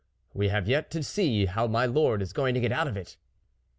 we have yet to see how my lord is going to get out of it."